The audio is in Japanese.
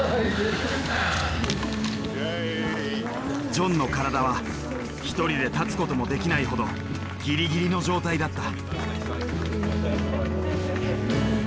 ジョンの体は１人で立つこともできないほどギリギリの状態だった。